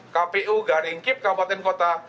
kpu garing kip kabupaten kota